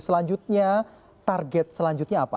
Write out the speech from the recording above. selanjutnya target selanjutnya apa